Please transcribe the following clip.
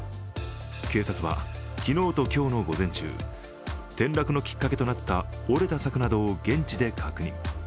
警察は昨日と今日の午前中転落のきっかけとなった折れた柵などを現地で確認。